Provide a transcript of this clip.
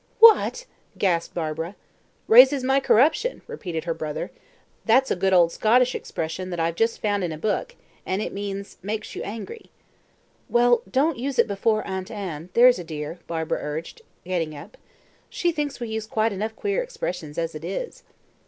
"What!" gasped Barbara. "Raises my corruption," repeated her brother; "that's a good old Scottish expression that I've just found in a book, and it means 'makes you angry.'" "Well, don't use it before Aunt Anne, there's a dear," Barbara urged, getting up. "She thinks we use quite enough queer expressions as it is."